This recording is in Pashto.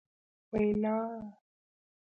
وینا ...